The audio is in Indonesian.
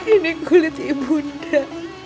ini kulit ibu bunda